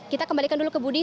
kita kembalikan dulu ke budi